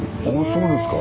そうですか。